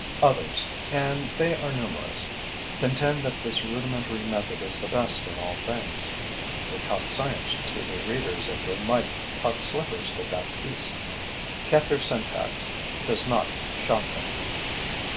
Others and they are numerous contend that this rudimentary method is the best in all things. They talk science to their readers as they might talk slippers to Baptiste. Kaffir syntax does not shock them.